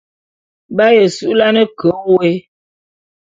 B'aye su'ulane ke wôé.